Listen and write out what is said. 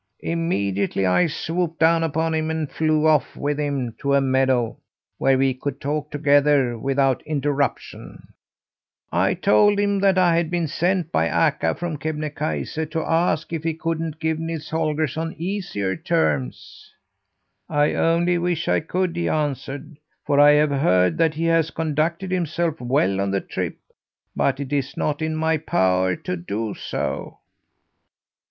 "Immediately I swooped down upon him and flew off with him to a meadow where we could talk together without interruption. "I told him that I had been sent by Akka from Kebnekaise to ask if he couldn't give Nils Holgersson easier terms. "'I only wish I could!' he answered, 'for I have heard that he has conducted himself well on the trip; but it is not in my power to do so.'